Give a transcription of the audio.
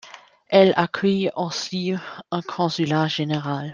Elle accueille aussi un consulat général.